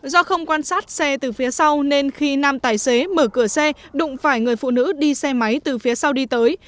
do không quan sát xe từ phía sau nên khi nam tài xế mở cửa xe đụng phải người phụ nữ đi xe máy từ phía sau đi tới